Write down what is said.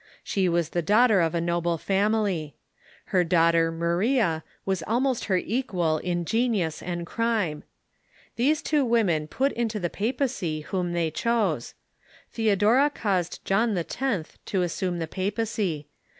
She was the daughter of a noble family. Her daughter Maria was almost her equal in genius and crime. These two women put into the papacy whom they chose. Theodora caused John X.to assume the papacy.